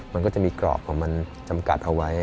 มันก็จะมีกรอบของมันจำกัดเอาไว้